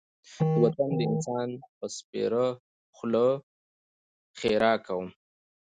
د وطن د انسان په سپېره خوله ښېرا کوم.